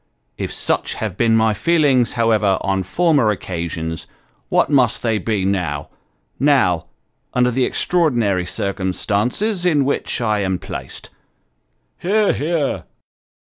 If such have been my feelings, however, on former occasions, what must they be now now under the extraordinary circumstances in which I am placed. (Hear! hear!)